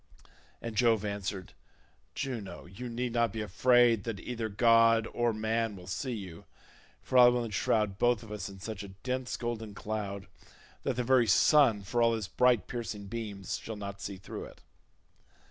And Jove answered, "Juno, you need not be afraid that either god or man will see you, for I will enshroud both of us in such a dense golden cloud, that the very sun for all his bright piercing beams shall not see through it."